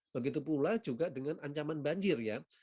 begitu pula juga dengan ancaman banjir ya